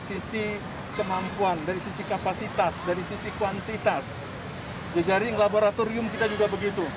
sisi kemampuan dari sisi kapasitas dari sisi kuantitas jejaring laboratorium kita juga begitu